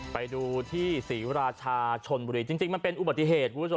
ไปดูที่ศรีราชาชนบุรีจริงมันเป็นอุบัติเหตุคุณผู้ชม